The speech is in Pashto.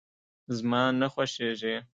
زما نه خوښيږي.